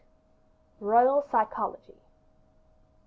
Royal Psychology.